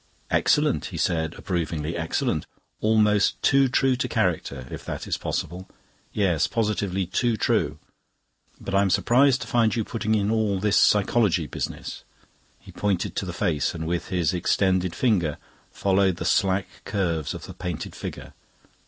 "Excellent," he said approvingly, "excellent. Almost too true to character, if that is possible; yes, positively too true. But I'm surprised to find you putting in all this psychology business." He pointed to the face, and with his extended finger followed the slack curves of the painted figure.